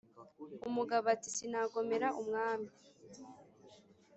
umugabo ati"sinagomera umwami